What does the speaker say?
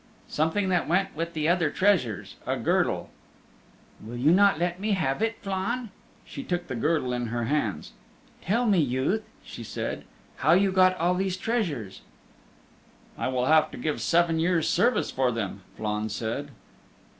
"Something that went with the other treasures a girdle." "Will you not let me have it, Flann?" She took the girdle in her hands. "Tell me, youth," she said, "how you got all these treasures?" "I will have to give seven years' service for them," Flann said.